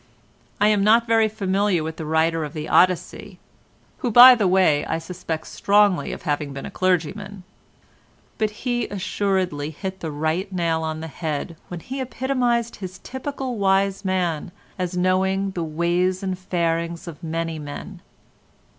I am not very familiar with the writer of the Odyssey (who, by the way, I suspect strongly of having been a clergyman), but he assuredly hit the right nail on the head when he epitomised his typical wise man as knowing "the ways and farings of many men."